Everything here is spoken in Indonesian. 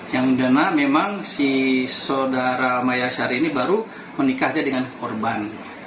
yang mana memang si saudara maya syari ini baru menikahnya dengan korban